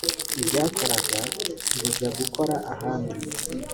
ibyakoraga bijya gukora ahandi